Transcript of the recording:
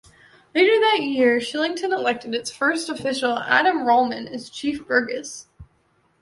Later that year Shillington elected its first official, Adam Rollman, as chief burgess.